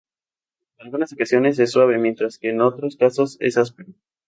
En algunas ocasiones es suave mientras que en otros casos es áspero.